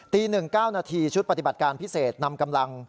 ๑๙นาทีชุดปฏิบัติการพิเศษนำกำลัง